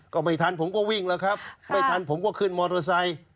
ก็ไม่ทันผมก็วิ่งแล้วครับไม่ทันผมก็ขึ้นมอเตอร์ไซค์